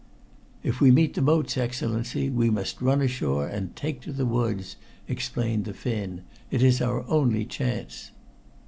"If we meet the boats, Excellency, we must run ashore and take to the woods," explained the Finn. "It is our only chance."